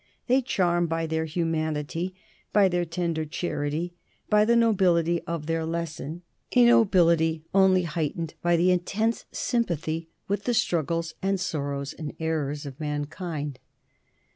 They charm by their humanity, by their tender charity, by the nobility of their lesson, a nobility only heightened by the intense sympathy with the struggles, and sorrows, and errors of mankind.